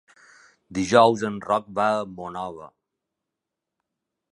Dijous en Roc va a Monòver.